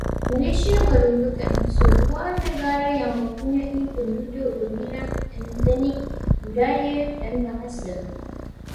Malaysia merupakan sebuah negara yang mempunyai penduduk berbilang etnik, budaya dan bahasa